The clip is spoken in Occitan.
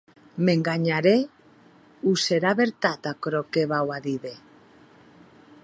M’enganharè o serà vertat aquerò que vau a díder?